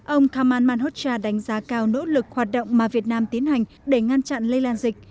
ông kamal manhotcha đánh giá cao nỗ lực hoạt động mà việt nam tiến hành để ngăn chặn lây lan dịch